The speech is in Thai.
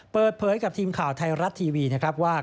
เปิดเผยกับทีมข่าวไทยรัฐทีวีนะครับว่า